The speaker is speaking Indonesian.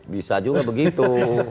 bisa juga begitu